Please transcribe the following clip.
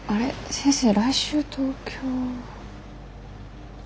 先生来週東京。